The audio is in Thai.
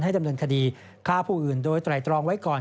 ดำเนินคดีฆ่าผู้อื่นโดยไตรตรองไว้ก่อน